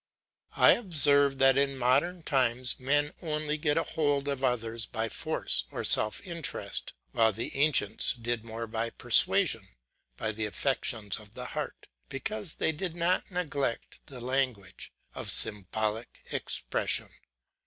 I observe that in modern times men only get a hold over others by force or self interest, while the ancients did more by persuasion, by the affections of the heart; because they did not neglect the language; of symbolic expression.